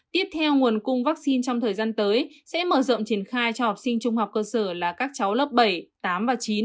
tiếp theo nguồn cung vaccine trong thời gian tới sẽ mở rộng triển khai cho học sinh trung học cơ sở là các cháu lớp bảy tám và chín